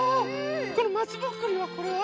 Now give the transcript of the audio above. このまつぼっくりはこれは？